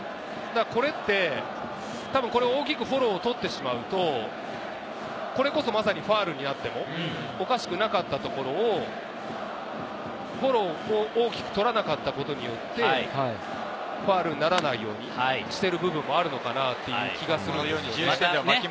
これって、大きくフォローを取ってしまうと、これこそまさにファウルになってもおかしくなかったところをフォローを大きく取らなかったことによって、ファウルにならないようにしてる部分もあるのかなっていう気がするんですね。